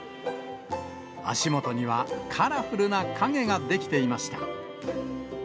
足元にはカラフルな影が出来ていました。